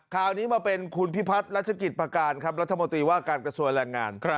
คราวนี้มาเป็นคุณพิพัฒน์รัชกิจประการครับรัฐมนตรีว่าการกระทรวงแรงงาน